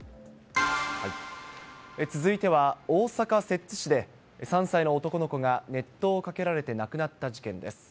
続いては大阪・摂津市で３歳の男の子が熱湯をかけられて亡くなった事件です。